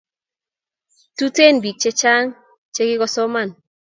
tuten pik che chnga che kikosoman